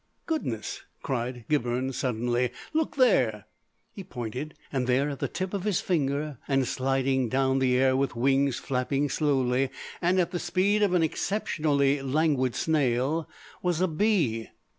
"Goodness!" cried Gibberne, suddenly; "look there!" He pointed, and there at the tip of his finger and sliding down the air with wings flapping slowly and at the speed of an exceptionally languid snail was a bee.